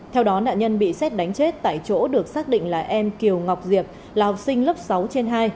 theo đó nạn nhân bị xét đánh chết tại chỗ được xác định là em kiều ngọc diệp là học sinh lớp sáu trên hai